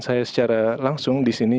saya secara langsung disini